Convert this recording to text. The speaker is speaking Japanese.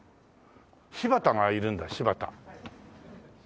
柴田がいるんだ柴田。